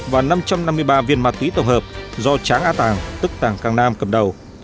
và năm trăm năm mươi ba viên ma túy tổng hợp do tráng a tàng tức tàng cang nam cầm đầu